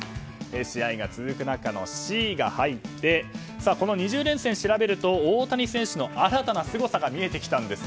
試合が続く中の「シ」が入ってこの２０連戦、調べると大谷選手の新たなすごさが見えてきたんです。